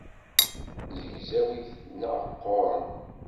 Zegzawit neɣ qquren.